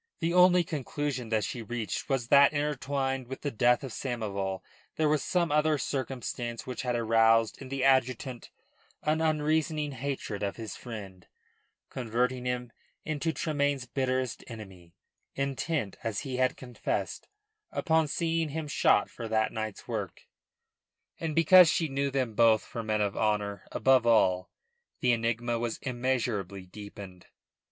And the only conclusion that she reached was that intertwined with the death of Samoval there was some other circumstance which had aroused in the adjutant an unreasoning hatred of his friend, converting him into Tremayne's bitterest enemy, intent as he had confessed upon seeing him shot for that night's work. And because she knew them both for men of honour above all, the enigma was immeasurably deepened.